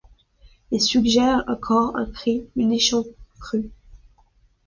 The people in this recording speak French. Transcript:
Il suggère, un corps, un cri, une échancrure.